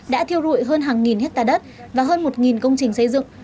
đã thiêu rụi hơn hàng nghìn hectare đất và hơn một công trình xây dựng